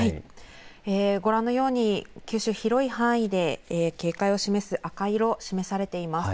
ご覧のように九州広い範囲で警戒を示す赤色、示されています。